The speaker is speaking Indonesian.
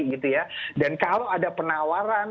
gitu ya dan kalau ada penawaran